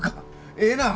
ええなぁ！